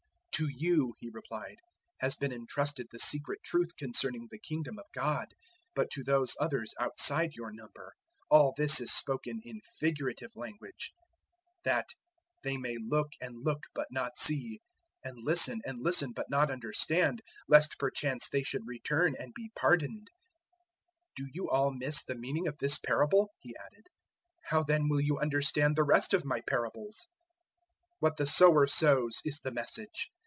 004:011 "To you," He replied, "has been entrusted the secret truth concerning the Kingdom of God; but to those others outside your number all this is spoken in figurative language; 004:012 that "'They may look and look but not see, and listen and listen but not understand, lest perchance they should return and be pardoned.'" 004:013 "Do you all miss the meaning of this parable?" He added; "how then will you understand the rest of my parables?" 004:014 "What the sower sows is the Message.